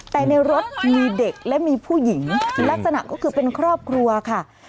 แต่ในรถมีเด็กและมีผู้หญิงลักษณะก็คือเป็นครอบครัวค่ะ